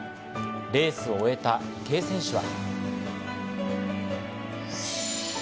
レースを終えた池江選手は。